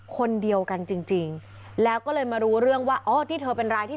คนเดียวกันจริงแล้วก็เลยมารู้เรื่องว่าอ๋อนี่เธอเป็นรายที่